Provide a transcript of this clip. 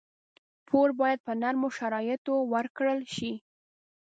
پور باید په نرمو شرایطو ورکړل شي.